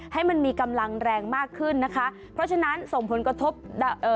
ให้มันมีกำลังแรงมากขึ้นนะคะเพราะฉะนั้นส่งผลกระทบเอ่อ